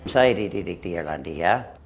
saya dididik di irlandia